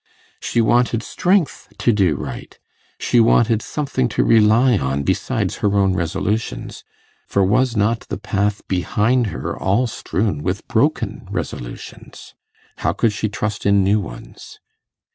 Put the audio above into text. She wanted strength to do right she wanted something to rely on besides her own resolutions; for was not the path behind her all strewn with broken resolutions? How could she trust in new ones?